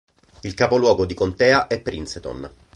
Il capoluogo di contea è Princeton